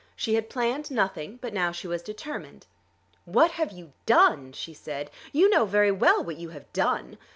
She had planned nothing; but now she was determined. "What have you done?" she said. "You know very well what you have done.